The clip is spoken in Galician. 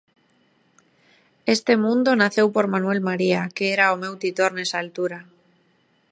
Este mundo naceu por Manuel María, que era o meu titor nesa altura.